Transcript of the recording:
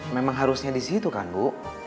memang harusnya di situ kan bu